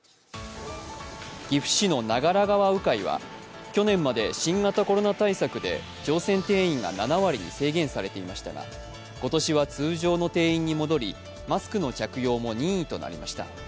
岐阜市の長良川鵜飼は去年まで新型コロナ対策で乗船定員が７割に制限されていましたが、今年は通常の定員に戻りマスクの着用も任意となりました。